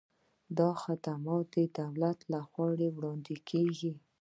دا خدمات د دولت له خوا وړاندې کیږي.